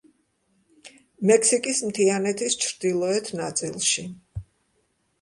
მექსიკის მთიანეთის ჩრდილოეთ ნაწილში.